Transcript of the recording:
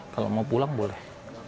kalau mau pulang boleh